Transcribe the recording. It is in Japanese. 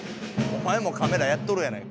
おまえもカメラやっとるやない。